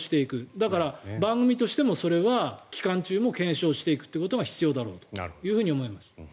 だから、番組としてもそれは期間中も検証していくことが必要だろうと思います。